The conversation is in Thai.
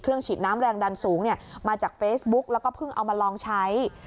ฉีดน้ำแรงดันสูงมาจากเฟซบุ๊กแล้วก็เพิ่งเอามาลองใช้